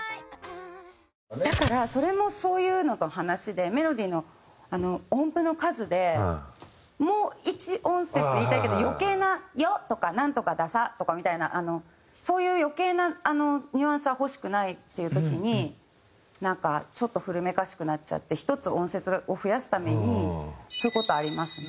だからそれもそういうのの話でメロディーの音符の数でもう１音節言いたいけど余計な「よ」とか「ナントカださ」とかみたいなそういう余計なニュアンスは欲しくないっていう時になんかちょっと古めかしくなっちゃって１つ音節を増やすためにそういう事あります。